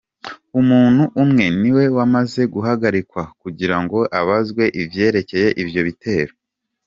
Umuntu umwe ni we amaze guhagarikwa kugira ngo abazwe ivyerekeye ivyo bitero.